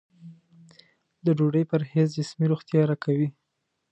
د ډوډۍ پرهېز جسمي روغتیا راکوي.